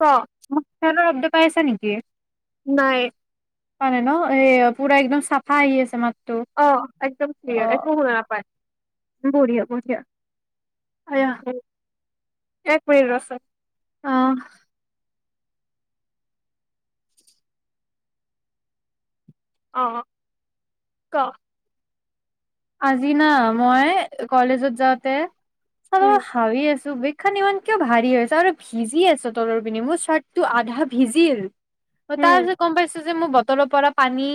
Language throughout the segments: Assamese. ক [inaudible] ফেনৰ শব্দ পাই আছা নেকি? নাই। পোৱা নাই ন', এ পুৰা একদম চাফা আহি আছে মাত। অ' একদম ক্লিয়াৰ, একো শুনা নাপায়। বঢ়িয়া বঢ়িয়া। আয়া উম। এক-মিনিট ৰচোন। অ অ ক। আজি না মই কলেজত যাওঁতে অ উম ভাবি আছো চুবিকখন ইমান কিয় ভাৰি হৈছে আৰু ভিজি আছ তলৰ পিনে মোৰ চাৰ্টটো আধা ভিজিল উম তাৰিছত কম পাইছ মোৰ বটলৰ পৰা পানী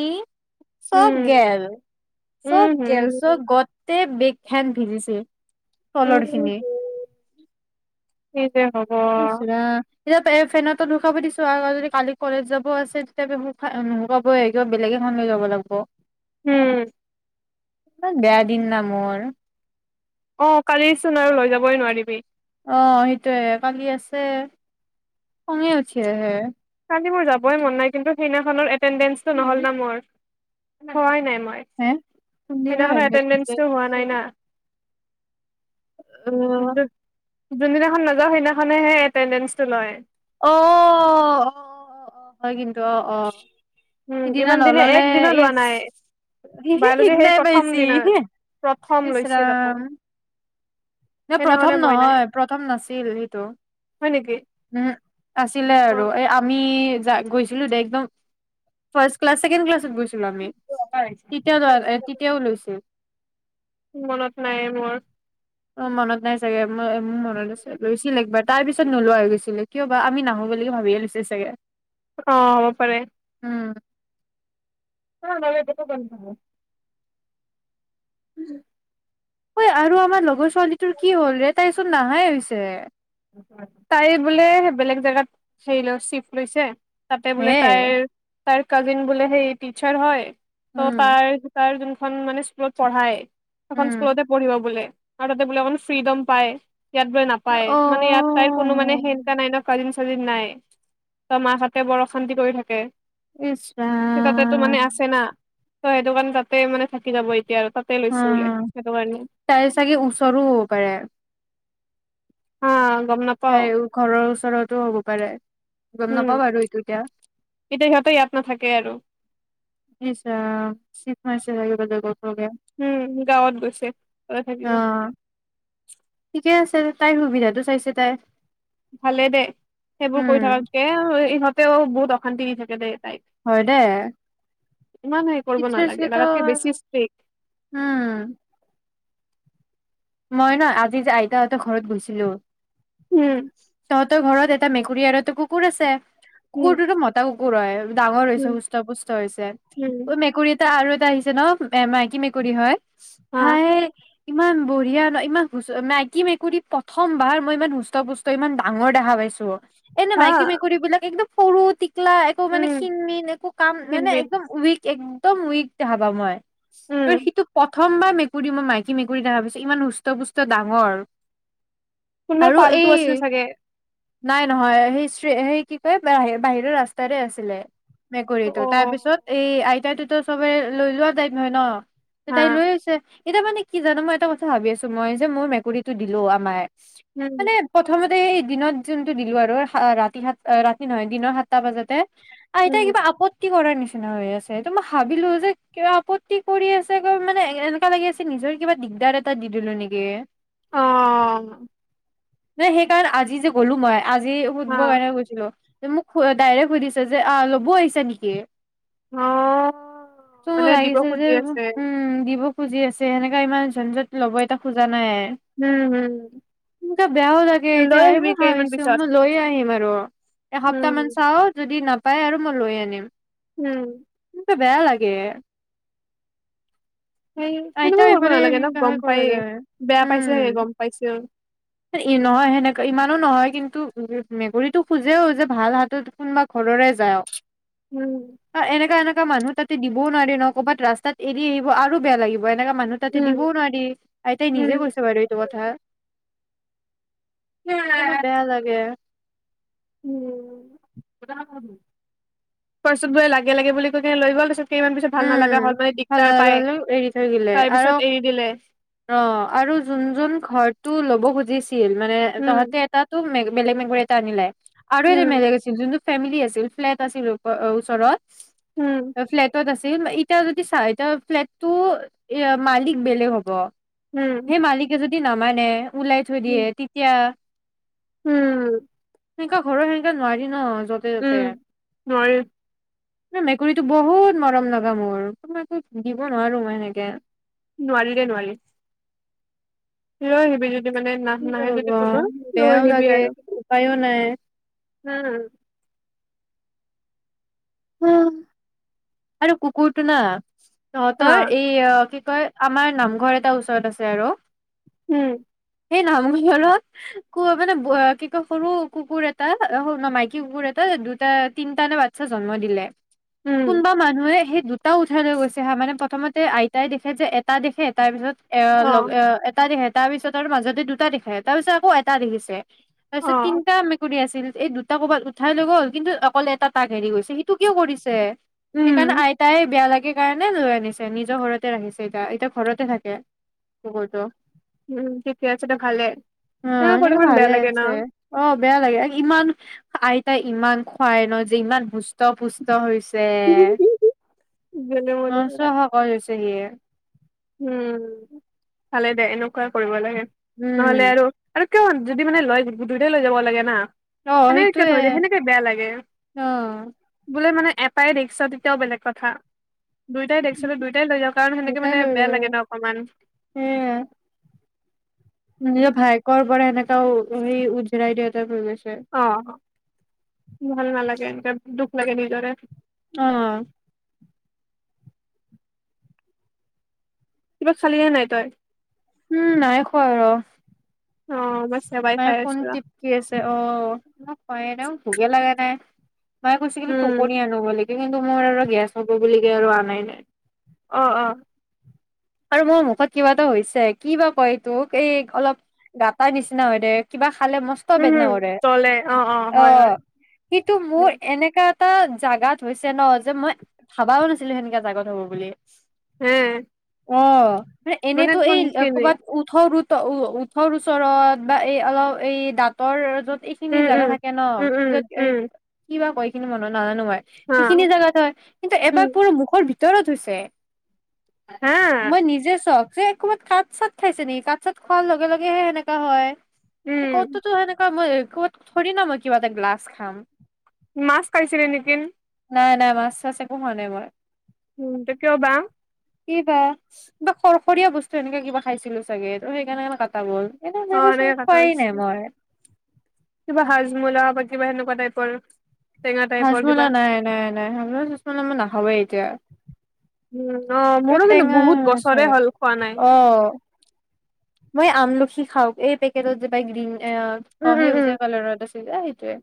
- - চব উম গেল চব উম হম কেলচ গতে বিগ খেন ভিজিছে তলৰ উম খিনি। হো উম ইচ্ ৰাম। শুকাব দিছো আৰু যদি কালি কলেজ যাব আছে তেতিয়া নুুশুকাবই বেলেগ এখন লৈ যাব লাগিব উম ইমান বেয়া দিন না মোৰ অ কালিচোন আৰু লৈ যাবই নোৱাৰিবি অ সেইটোয়ে কালি আছে খঙে উঠি আহে কালি মোৰ যাবই মন নাই কিন্তু সিদিনাখনৰ এটেনদ্ৰেচটো নহ'ল ন মোৰ হোৱা নাই মোৰ হে [inaudible] [inaudible] কোনদিনা সেইদিনাখনৰ অতেনদেন্সটো হোৱা নাই না আহ যোনদিনাখন নাযাওঁ সেইদিনাখনেহে এটেণ্ডেঞ্চটো লয় অ অ অ অ হয় কিন্তু অ অ উম সিদিনা ইমান দিনে নললে এক দিনো ই লোৱা নাই সি সি বায়লজি সেই সিদিনাই প্ৰথম পাইছি দিনা হ প্ৰথম লৈছে তাকো ইচৰাম ন প্ৰথম সেইদিনাখনে মই নাই নহয় প্ৰথম নাছিল সেইটো হয় নেকি? উম আছিলে অ', আৰু এই আমি আমি যা গৈছিলোঁ দে একদম ফাষ্ট ক্লাছ ছেকেণ্ড ক্লাছত গৈছো [unintelligible] আমি তেতিয়া তেতিয়াও লৈছিল মনত নাই মোৰ অ মনত নাই চাগে ম মোৰ মনত আছে লৈছিল একবাৰ তাৰ পিছত নোলোৱা হৈ গৈছিল কিয়বা আমি নাহো বুলি ভাবিয়ে লৈছে চাগে অ হব পাৰে উম [unintelligible] [unintelligible] অই আৰু আমাৰ লগৰ পোৱালিটোৰ কি হল ৰে? [unintelligible] [unintelligible] হৈছে। তাই বোলে বেলেগ জেগাত হেৰি ল চিফট লৈছে তাতে হে বোলে তাইৰ তাৰ কাজিন বোলে সেই টিচাৰ হয় উম [unintelligible] [unintelligible] মানে স্কুলত পঢ়ায় সেইখন উম স্কুলতে পঢ়িব বোলে [unintelligible] ফ্ৰীডম পায় [unintelligible] অ নাপায়ে ইয়াত তাইৰ কোনো মানে [unintelligible] নাই ন, কাজিন চাজিন নাই। [unintelligible] মাক হাতে বৰ অশান্তি কৰি থাকে। ইছ সেই তাতেতো মানে ৰাম আছে না। ত সেইটো কাৰণে তাতে মানে থাকি যাব এতিয়া আৰু তাতে লৈছো বোলে অ', সেইটো কাৰণে তাই চাগে ওচৰো হ'ব পাৰে। হা গম নাপাও তাইৰ ঘৰৰ ওচৰতো হ'ব পাৰে। গম উম নাপাওঁ আৰু এইটো এতিয়া। এতিয়া সিহতে ইয়াত নাথাকে আৰু- [unintelligible] উম, গাঁৱত গৈছে, [unintelligible] থাকিব। অ ঠিকে আছে তাইৰ সুবিধাটো চাইছে তাই। ভালে দে, সেইবোৰ উম কৰি থকাতকে [unintelligible] তেওঁ বহত অশান্তি দি থাকে দে তাই হয় দে। হেৰি কৰিব নালাগে লাগাতকে বেছি [unintelligible] ষ্ট্ৰিক্ট উম। মই ন' আজি যে আইতাহতৰ ঘৰত গৈছিলো উম তহঁতৰ ঘৰত [unintelligible] এটা মেকুৰী আৰুতো কুকুৰ আছে উম কোতো মতা [unintelligible] [unintelligible] ডাঙৰ হৈছে উম সুস্থ পুস্থ হৈছে উম মেকুৰী এটা আৰু আহিছে ন? মাইকী মেকুৰী হয় হা [unintelligible] ইমান বোৰ ন' ইমান মাইকী মেকুৰী প্ৰথমবাৰ মই ইমান হৃষ্ট-পুষ্ট, ইমান ডাঙৰ দেখা পাইছোঁ। এনে হা মাইকী মেকুৰী বিলাক একদম সৰু একো মানে উম ক্ষীণমীন একো কাম মানে ফিনমিন একদম উইক একদম উইক দেখা পাওঁ মই। ত উম সেইটো প প্ৰথম বাৰ মেকুৰী, মই মাইকী মেকুৰী দেখা পাইছোঁ। ইমান হৃষ্ট-পুষ্ট ডাঙৰ। কোনোবাৰ আৰু পালতু এই আছিল চাগে। নাই নহয়, সেই-সেই কি কয় বাহিৰৰ ৰাস্তাৰে আছিলে। অ মেকুৰীটো, তাৰপিছত এই এতিয়া তুটো চবে লৈ লোৱা টাইপ হয় ন'? হা তাই লৈ আছে। এতিয়া মানে কি জান' মই এটা ভাবি আছোঁ, মই যে মোৰ মেকুৰীটো দিলোঁ আমাৰ উম মানে প্ৰথমে এই দিনত যোনটো দিলোঁ আৰু ৰাতি সাত, ৰাতি নহয় দিনৰ সাতটা বজাতে আইতাই উম কিবা আপত্তি কৰাৰ নিচিনা নিচিনা হৈ আছে, এইটো মই ভাবিলোঁ যে কিবা আপত্তি কৰি আছে গৈ, মানে এনেকা লাগি আছে নিজৰে কিবা দিগদাৰ এটা দি দিলো নেকি? অ নাই সেইকাৰণে, আজি যে গ'লো মই আজি হা শুধবৰ কাৰণ গৈছিলোঁ। মোক ডাইৰেক্ট সুধিছে যে! অ' লব আহিছা নেকি? অ', মানে ত' দিব লাগিছে যে খুজি আছে। উম, দিব খুঁজি আছে, এনেকুৱা ইমান ঝনঝট ল'ব আইতা খোজা নাই। উম, হুম, কিন্তু বেয়াও লাগে লৈ এতিয়া, আহিবি এইবোৰ কেইদিনমান ভাবিছো পিছত। মই লৈয়ে আহিম আৰু এসপ্তাহ উম, মান চাও যদি না পাই আৰু মই লৈয়ে আনিম। উম। এনেকা বেয়া লাগে। সেই, আইতাও সেনেকুৱাও কৰিব এইফালে নালাগে ন' সেনেকাহে গম কৰে পায়েই, যায় বেয়া উম পাইছেই গম পাইছোঁ। নহয়, সেনেকা ইমানো নহয় কিন্তু মেকুৰীটো খোজেও যে ভাল হাতত, কোনোবা ঘৰৰে যায় আও। উম, অ' এনে কাৰণত মানুহ তাতে দিবও নোৱাৰে ন ক'ৰবাত ৰাস্তাত এৰি আহিব আৰু বেয়া লাগিব। এনেকা মানুহ তাতে উম, দিবও নোৱাৰি, আইতাই উম, নিজে কৈছে বাৰু এইটো কথা। সেইকাৰণে বেয়া লাগে। পাছত বোলে লাগে-লাগে বুলি কৈ কিনে লৈ গল, তাছত [unintelligible] এৰি থৈ গিলে তাৰ আৰু, পিছত এৰি দিলে। অ', আৰু যোন যোন ঘৰটো লব বুজি কি মানে উম, তহঁতে এটাটো বেলেগ মেকুৰী এটা আনিলে। আৰু এটা উম, মেমে কৈছিল ফেমিলি আছিল ফ্লেট আছিল উপ-ওচৰত উম। আছিল, এতিয়া যদি চা এতিয়া ফ্লেট টো এ মালিক বেলেগ হ'ব। উম, সেই মালিকে সি মানে ওলাই থৈ দিয়ে, উম, তেতিয়া। উম। সেনকা ঘৰৰ সেনেকে নোৱাৰি ন য'তে ত'তে উম, [unintelligible] ন মেকুৰীটো বহুত মৰম লগা মোৰ, [unintelligible] দিব নোৱাৰো মই সেনেকে। নোৱাৰি দে নোৱাৰি। লৈ আহিবি মানে নাহ নাহে যদি কোনো [unintelligible] লৈ বেয়াও আহিবি লাগে আৰু উপ-উপায়ও নাই। উম। [unintelligible] আৰু কুকুৰটো না। অ তহঁতৰ এই অ, কি কয়, আমাৰ নামঘৰ এটা ওচৰত আছে আৰু। উম। সেই নামঘৰত ক মানে কি কয় সৰু কুকুৰ এটা [unintelligible] মাইকী কুকুৰ এটা দুটা তিনটাানে বাচ্ছা জন্ম দিলে। উম কোনোবা মানুহে সেই দুটাও উঠাই লৈ গৈছে হা মানে প্ৰথমতে আইতাই দেখে যে এটা দেখে এটাৰ অ পিছত [unintelligible] তাৰপিছত আৰু মাজতে দুটা দেখে, তাৰ পিছত আকৌ এটা দেখিছে। তা অ পিছত তিনিটা মেকুৰী আছ [unintelligible] এই দুটা কৰ'বাত উঠাই লৈ গ'ল। কিন্তু, অকলে এটা তাক এৰি গৈছে, সেইটো কিয় কৰিছে? উম সেইকাৰণে, আইতাইে বেয়া লাগে সেই কাৰণে লৈ আনিছে। নিজৰ ঘৰতে ৰাখিছে এতিয়া, এতিয়া ঘৰতে থাকে কুকুৰটো। উম, থিকেই আছে দে ভালেই, অ সেনেকে পৰিমান বেয়া ভালে লাগে ন। আছে অ বেয়া লাগে, ইমান আইতাই ইমান খুৱাই ন যে ইমান সুস্থ পুষ্ট হৈছে জনে মন কৰা। চেএ উম, ভালে দে এনেকুৱাই কৰিব লাগে। নহলে উম, আৰু, কিয়? যদি মানে লয়, দুইটাই লৈ যাব লাগে না। অ সেনেকে সেইটোয়ে থৈ দিয়ে, সেনেকে বেয়া লাগে। অ বোলে মানে ইয়াপাই দেখিছ তেতিয়াও বেলেগ কথা। দুইটাই দেখিছিলো, দুইটাই লৈ যাওঁ, কাৰণ সেনেকে দেউতাই মানে লৈ বেয়া যায় লাগে ন, অকমান সেয়াই নিজৰ উম ভায়েকৰ পৰা সেনে [unintelligible] অ' ভাল নালাগে এনেকে, দুখ লাগে নিজৰে অ'! কিবা খালিহে নাই তই? উম, নাই খোৱা। ৰ অ মই চেৱাই মায়ে খাই ফোন আছো ৰ। টিপ কি আছে। অ' মোক ক এনে ভোগে লগা নাই। মায়ে কৈছিল, পকৰি উম আনো বুলি। কিন্তু, মোৰ আৰু গেছ হ'ব বুলি কে আৰু আনাই নাই। অ' অ' আৰু মোৰ মুখত কিবা এটা হৈছে। কি বা কয় এইটোক? এই অলপ গাত তাৰ নিচিনা হয় দে, কিবা খালে মস্ত উম বেদনা হম কৰে। জলে অ অ' হয় হয় সিটো উম মোৰ এনেকা টা জোগাত হৈছে ন, যে মই ভাবাও নাছিলো সেনেককা জাগাত হ'ব বুলি? হে অ'! মানে, এনেইটো এই ক'বাত ওঁঠৰ ত' ওঁঠৰ ওচ ওচৰত, বা এই অলপ এই দাঁতৰ য'ত এইখিনি উম জাগা উম থাকে ন, উম উম য'ত উম কিবা কয় [unintelligible] নাজানো মই হা সিখিনি জোগাত হয়। কিন্তু উম এবাৰ পু মুখৰ ভিতৰ তোৰো উঠিছে? হা মই নিজেই চক। হে ক'বাত কাঠ, চাত খাইছে নেকি? কাঠ, চাত খোৱাৰ লগে লগেহে এনেকে হয় উম কতোঁ তো হেনেকুঁৱা মই ক'ত থুৰিনা মই কিবা এটা গ্লাছ খাম। মাছ খাইছিল নেকি? নাই নাই, মাছ- চাছ একো খোৱা নাই মই। উম, টো কিয় বা। কি বা, কিবা খৰখৰীয়া বস্তু এনেকা কিবা খাইছিলোঁ চাগে। সেইকাৰণে কটা গ'ল এনে অ, সেনেকচোন এনেকে কথা খোৱাই পাতিছো। নাই মই কিবা হ'জমোলা, বা কিবা সেনেকুৱা টাইপৰ। টেঙা টাইপৰ কিবা হ'জমোলা, নাই নাই নাই, হ'জমোলা চ'জমোলা মই নাখায়েই। তিয়া উম অ মোৰো কিন্তু বহুত আছে বছৰে হ'ল খোৱা নাই। অ মই আমলখি খাঁও এই পেকেটত যে গ্ৰীণ অ, উম উম সেই উম বুজাই কলে আৰু তাৰপিছত ঠিকে সেইটোৱে।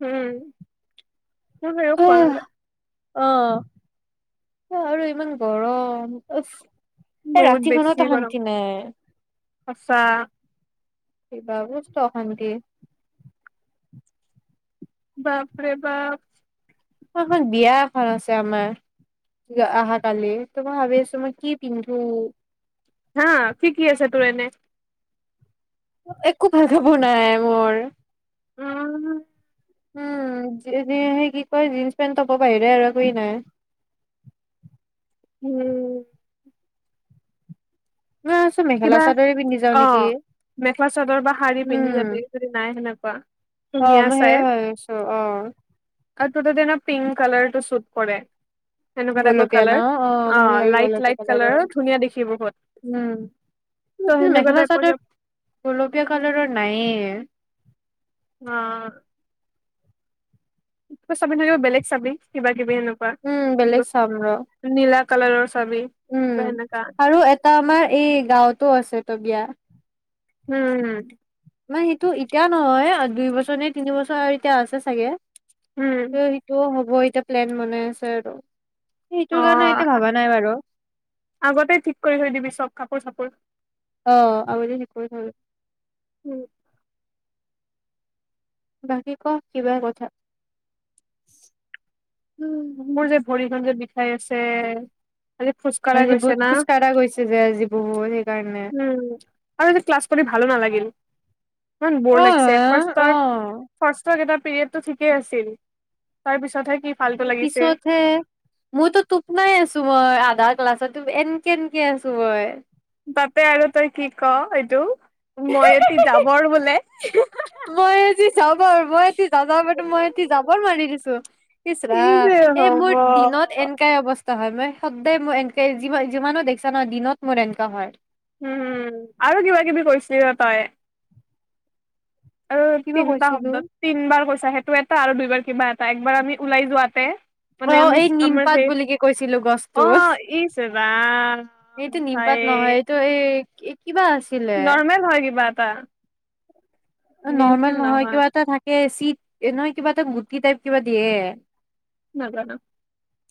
উম [inaudible] অ, আৰু ইমান গৰম। উহ এই বহুত ৰাতি বেছি খনতো গৰম শান্তি নাই। সঁচা কিবা [inaudible] বাপৰে, বাপ উচৰত বিয়া এখন আছে আমাৰ অহাকালি। ত, মই ভাবিছো কি পিন্ধো। হা কি কি আছে টুৰ এনে একো ভাল কাপোৰ নাই মোৰ। উমঁ উম সেই কি কয়। জীন্চ পেন্ট টপৰ বাহিৰে আৰু একোয়েই নাই উম মই ভাবিছো মেখেলা কিবা চাদৰে পিন্ধি যাও অ নেকি। মেখেলা চাদৰ বা শাৰী পিন্ধি যাবি উম যদি নাই সেনেকুৱা অ, ধুনীয়া মইয়ো চাই সেইয়াই ভাবিছো। অ আৰু টোৰ তাত এনেও পিংক কালাৰটো চুট কৰে। এনেকুৱা টাইপৰ গোলপীয়া ন কালাৰ। অ ভাল লাগে লাইট, গোলপীয়া লাইট কালাৰৰ কালাৰ ধুনীয়াঁ দেখি বহুত। মোৰ ত' কি সেনেকুৱা মেখেলা, টাইপৰ চাদৰ গোলপীয়া কালাৰৰ নায়েই। অঁ কিবা চাবিছোন, বেলেগ চাবি কিবা উম, বেলেগ [unintelligible] চাম ৰ নীলা কালাৰৰ চাবি বা উম সেনেকা আৰু এটা আমাৰ এই গাঁৱতো আছে ত' বিয়া উম। মানে সেইটো এতিয়া নহয়, দুই বছৰ নে তিনিবছৰ আৰু এতিয়া আছে চাগে, উম স সিতো হব। অঁ, এতিয়া প্লেন বনাই আছে আৰু, অ সেইটোৰ কাৰণে আ এতিয়া ভাবা নাই বাৰু আগতে ঠিক কৰি থৈ দিবি চব কাপোৰ চাপোৰ। অ আৰু শিক থো [inaudible] উম বাকী ক কিবা কথা উম, মোৰ যে ভৰিখন যে বিষাই আছে। আজি খোজকাঢ়া আজি গৈছে বহুত না, খোজ কঢ়া গৈছে যে আজি বহুত সেইকাৰণে উম আৰু আজি ক্লাছ কৰি ভালো নালাগিল। ইমান ব'ৰ অ লাগিছে অ ফাৰ্ষ্টৰ, ফাৰ্ষ্টৰ কেইটা। পিৰিয়ডটো থিকে আছিল, তাৰপিছত হে কি, ফাল্টু লাগিছে পিছতহে, মইতো টোপনাই আছো মই আধা। ক্লাছতো এন্কে এন্কে আছো মই। তাতে আৰু তই কি ক এইটো। হে, মই এটি হে, হে জাবৰ বোলে মই আজি জাবৰ মই এটি যাযাবৰটো মই এটি জাবৰ মাৰি দিছো। ত [unintelligible] ইছ কি যে ৰাম এই হ'ব মোৰ দিনত এনেকাই অৱস্থা। হয়, মই সদায় মোৰ এনেকে যিমান যিমানো দেখিছা ন দিনত মোৰ এনেকুৱা হয়। উম আৰু কিবা কিবি কৰিছিলি ৰ তই। আৰু কিবা তিনিটা কৈছিলো শব্দ তিন বাৰ কৈছা সেই ত এটা আৰু দুইবাৰ কিবা এটা একবাৰ আমি ওলাই যোৱাতে মানে অ আমি ' এই আমাৰ নিমপাত সেই বুলিকে কৈছিলো গছটো। অ ইছ ৰাম এইটো ভাই নিমপাত নহয় এইটো এই- এ [unintelligible] নৰ্মেল হয় কিবা এটা। মিল নৰ্মেল চিল নহয় কিবা এটা থাকেই। - এ নহয় কিবা এতা গুটি টাইপ কিবা দিয়ে। নাজানো।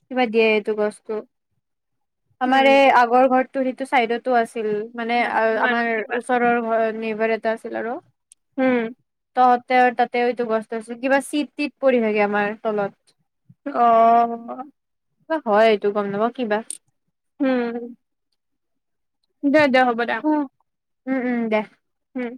কিবা দিয়ে এটো গছতো। আমাৰে উম আগৰ ঘৰ- তোৰ সেইটো চাইডতো আছে, -ছিল মানে আ নাজানো আৰু আমাৰ কিবা ওচৰৰ ঘৰৰ নেম -বাৰ এটা আছিল আৰু উম। তহঁতে আৰু তাতে এইটো গস্ত আছিল কিবা চিত ত পৰি থগে আমাৰ তলত। অ কিবা হয় এইটো গম নাপাও কিবা উম দে দো হ'ব দো উম উম উম দে উম।